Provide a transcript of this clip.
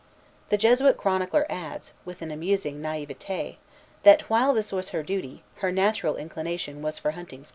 The Jesuit chronicler adds, with an amusing naïveté, that, while this was her duty, "her natural inclination was for hunting squirrels."